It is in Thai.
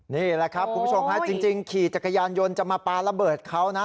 นี่แหละครับคุณผู้ชมฮะจริงขี่จักรยานยนต์จะมาปลาระเบิดเขานะ